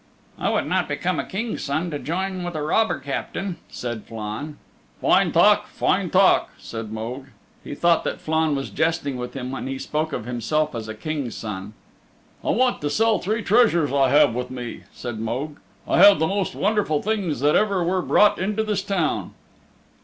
"It would not become a King's Son to join with a robber captain," said Flann. "Fine talk, fine talk," said Mogue. He thought that Flann was jesting with him when he spoke of himself as a King's Son. "I want to sell three treasures I have with me," said Mogue. "I have the most wonderful things that were ever brought into this town."